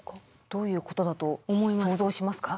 どういうことだと想像しますか？